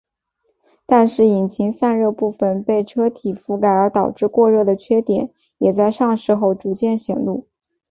但是引擎散热部份被车体覆盖而导致过热的缺点也在上市后逐渐显露。